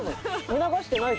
促してないぞ。